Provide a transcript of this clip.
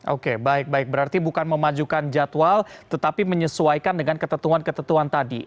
oke baik baik berarti bukan memajukan jadwal tetapi menyesuaikan dengan ketentuan ketentuan tadi